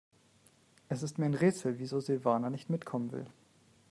Es ist mir ein Rätsel, wieso Silvana nicht mitkommen will.